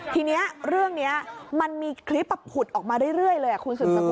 ทีนี้เรื่องนี้มันมีคลิปผุดออกมาเรื่อยเลยคุณสืบสกุ